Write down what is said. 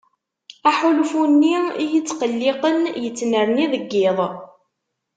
Aḥulfu-nni iyi-ittqelliqen yettnerni deg yiḍ.